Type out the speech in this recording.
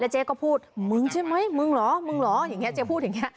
และเจ๊ก็พูดมึงใช่ไหมมึงเหรอมึงเหรออย่างันอย่างงี้